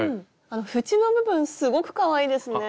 あの縁の部分すごくかわいいですね。